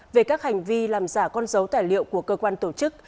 về các hành vi làm giả con dấu tài liệu của cơ quan tổ chức